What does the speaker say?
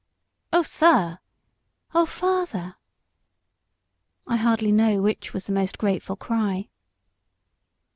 "O sir!" "O father!" I hardly know which was the most grateful cry.